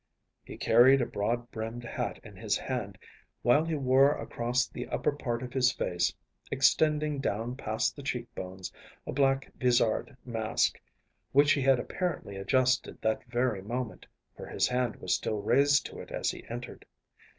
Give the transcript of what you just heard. He carried a broad brimmed hat in his hand, while he wore across the upper part of his face, extending down past the cheekbones, a black vizard mask, which he had apparently adjusted that very moment, for his hand was still raised to it as he entered.